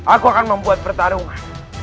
aku akan membuat pertarungan